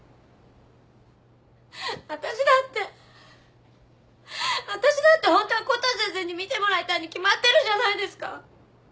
わたしだってわたしだってホントはコトー先生に診てもらいたいに決まってるじゃないですか！